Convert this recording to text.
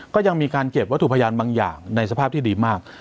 ก็ยังมีการเก็บวัตถุพยานบางอย่างในสภาพที่ดีมาก